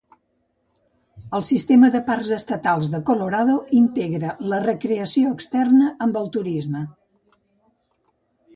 El sistema de parcs estatals del Colorado integra la recreació externa amb el turisme.